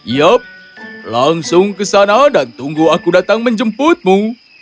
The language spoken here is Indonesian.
yep langsung ke sana dan tunggu aku datang menjemputmu